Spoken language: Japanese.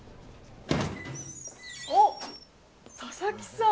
おっ佐々木さん。